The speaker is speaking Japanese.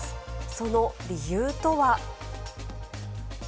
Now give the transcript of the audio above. その理由とは。